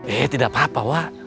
eh tidak apa apa pak